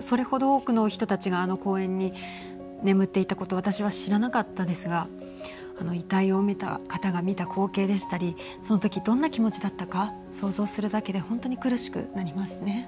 それほど多くの人たちがあの公園に眠っていたこと私は知らなかったですが遺体を埋めた方が見た光景でしたりその時どんな気持ちだったか想像するだけで本当に苦しくなりますね。